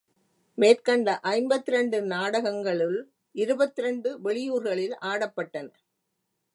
மேற்கண்ட ஐம்பத்திரண்டு நாடகங்களுள், இருபத்திரண்டு வெளியூர்களில் ஆடப்பட்டன.